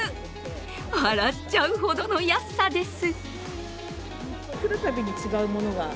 笑っちゃうほどの安さです。